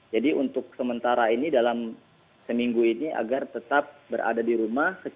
jadi untuk sementara ini dalam seminggu ini agar tetap berada